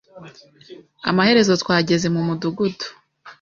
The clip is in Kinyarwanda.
Amaherezo, twageze mu mudugudu.